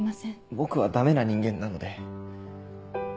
僕はダメな人間なので。